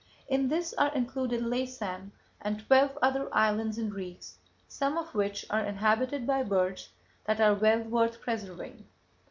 In this are included Laysan and twelve other islands and reefs, some of which are inhabited by birds that are well worth preserving.